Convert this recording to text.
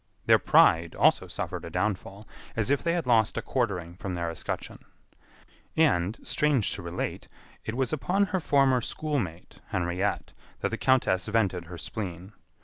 Their pride also suffered a downfall, as if they had lost a quartering from their escutcheon. And, strange to relate, it was upon her former schoolmate, Henriette, that the countess vented her spleen.